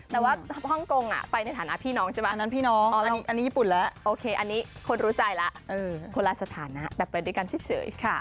แต่ว่าฮ่องกงไปในฐานะพี่น้องใช่ไหมอันนั้นพี่น้องอันนี้ญี่ปุ่นแล้วโอเคอันนี้คนรู้ใจแล้วคนละสถานะแต่ไปด้วยกันเฉยค่ะ